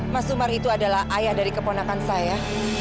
mas sumar itu adalah ayah dari keponakan saya